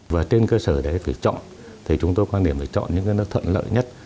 và trên cơ sở đấy phải chọn chúng tôi quan điểm phải chọn những nơi thuận lợi nhất